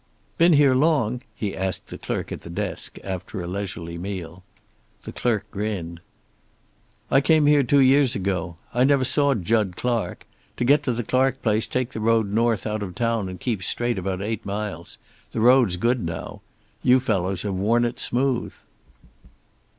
"Been here long?" he asked the clerk at the desk, after a leisurely meal. The clerk grinned. "I came here two years ago. I never saw Jud Clark. To get to the Clark place take the road north out of the town and keep straight about eight miles. The road's good now. You fellows have worn it smooth."